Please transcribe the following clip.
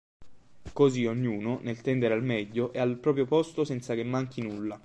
Così ognuno, nel tendere al meglio, è al proprio posto senza che manchi nulla.